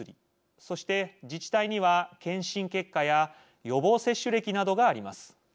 そして自治体には検診結果や予防接種歴などがあります。